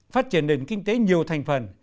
phát triển nền kinh tế nhiều thành phần